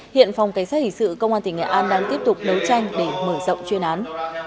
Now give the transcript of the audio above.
hiện phòng cảnh sát hình sự công an tỉnh nghệ an đang tiếp tục đấu tranh để mở rộng chuyên án